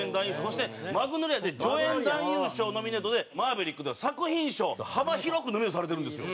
そして『マグノリア』で助演男優賞ノミネートで『マーヴェリック』では作品賞と幅広くノミネートされてるんですよ。